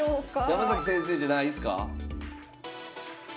山崎先生じゃないんすか？